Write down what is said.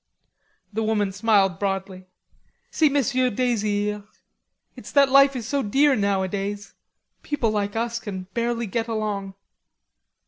The woman smiled broadly. "Si Monsieur desire.... It's that life is so dear nowadays. Poor people like us can barely get along."